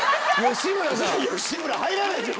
「吉村」入らないですよ。